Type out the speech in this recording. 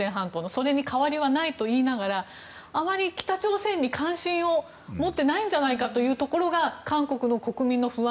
それに変わりはないと言いながらあまり北朝鮮に関心を持ってないんじゃないかというところが韓国の国民の不安